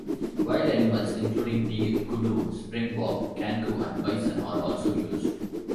Wild animals including deer, kudu, springbok, kangaroo, and bison are also used.